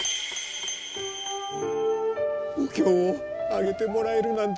お経をあげてもらえるなんて。